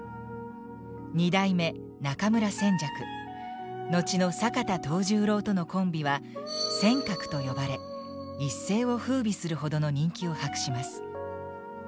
二代目中村扇雀後の坂田藤十郎とのコンビは「扇鶴」と呼ばれ一世を風靡するほどの人気を博します。